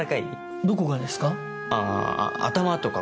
どこがですか？